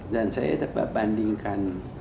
dan saya dapat membandingkan